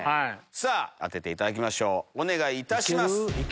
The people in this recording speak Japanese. さぁ当てていただきましょうお願いいたします。